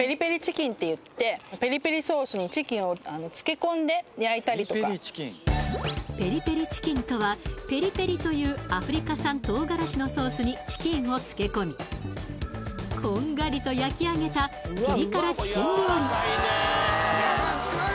そんなにペリペリチキンとはペリペリというアフリカ産唐辛子のソースにチキンを漬け込みこんがりと焼き上げたピリ辛チキン料理